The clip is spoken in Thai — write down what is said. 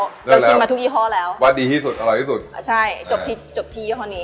เลือกแล้วลูกชิ้นมาทุกอีฮอล์แล้ววัดดีที่สุดอร่อยที่สุดใช่จบที่จบที่อีฮอล์นี้